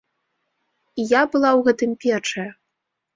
І я была ў гэтым першая.